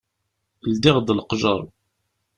Ldiɣ-d leqjer.